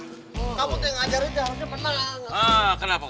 kamu ngajarin dia dia menang